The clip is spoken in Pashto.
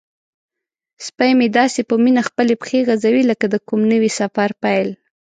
سپی مې داسې په مینه خپلې پښې غځوي لکه د کوم نوي سفر پیل.